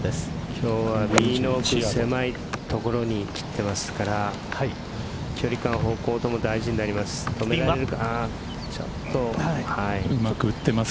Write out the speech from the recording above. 今日は右の狭い所に来てますから距離感、方向とも大事になります。